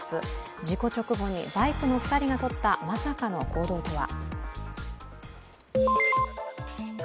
事故直後にバイクの２人がとったまさかの行動とは。